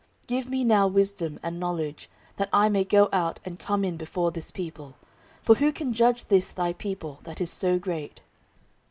14:001:010 Give me now wisdom and knowledge, that I may go out and come in before this people: for who can judge this thy people, that is so great?